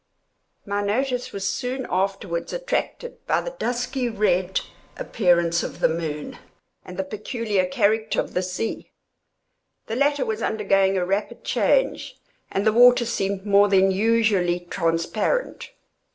My notice was soon afterwards attracted by the dusky red appearance of the moon, and the peculiar character of the sea. The latter was undergoing a rapid change, and the water seemed more than usually transparent.